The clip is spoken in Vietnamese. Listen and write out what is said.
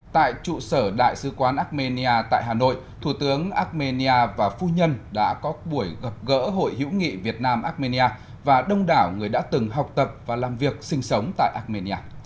tại trụ sở đại sứ quán armenia tại hà nội thủ tướng armenia và phu nhân đã có buổi gặp gỡ hội hữu nghị việt nam armenia và đông đảo người đã từng học tập và làm việc sinh sống tại armenia